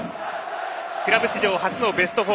クラブ史上初のベスト４。